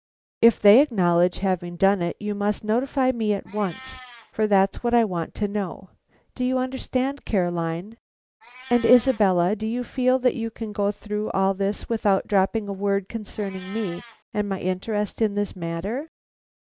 If they acknowledge having done it, you must notify me at once, for that's what I want to know. Do you understand, Caroline? And, Isabella, do you feel that you can go through all this without dropping a word concerning me and my interest in this matter?"